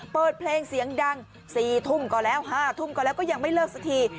เปิดเพลงเสียงดัง๔ทุ่มก็แล้ว๕ทุ่มก็แล้วก็ยังไม่เลิกสักที